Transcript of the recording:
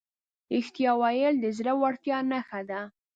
رښتیا ویل د زړهورتیا نښه ده.